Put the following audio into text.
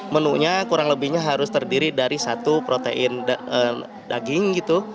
menunya kurang lebihnya harus terdiri dari satu protein daging gitu